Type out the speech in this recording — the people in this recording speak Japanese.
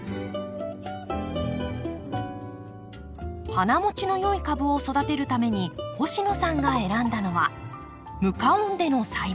花もちのよい株を育てるために星野さんが選んだのは無加温での栽培。